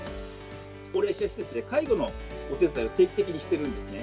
高齢者施設で、介護のお手伝いを定期的にしてるんですね。